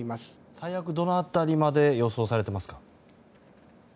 最悪どの辺りまで予想されていますか？